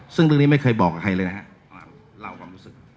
ซึ่งเรื่องนี้ไม่เคยบอกกับใครเลยนะครับ